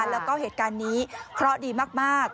แล้วก็เหตุการณ์นี้เคราะห์ดีมาก